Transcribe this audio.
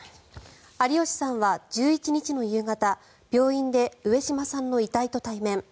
有吉さんは１１日の夕方病院で上島さんの遺体と対面。